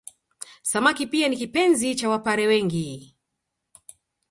Samaki pia ni kipenzi cha Wapare wengi